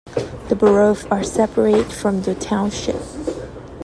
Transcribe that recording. The boroughs are separate from the township.